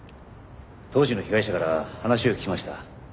当時の被害者から話を聞きました。